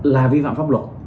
là vi phạm pháp luật